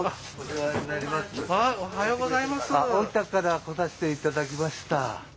大分から来させて頂きました。